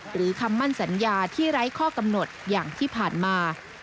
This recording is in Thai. คำมั่นสัญญาที่ไร้ข้อกำหนดอย่างที่ผ่านมา